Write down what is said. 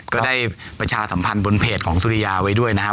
ก็ได้ประชาสัมพันธ์บนเพจของสุริยาไว้ด้วยนะครับ